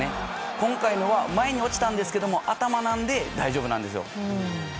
今回のは前に落ちたんですけど頭なんで大丈夫なんですよ。